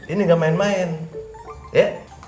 ini gak main main ya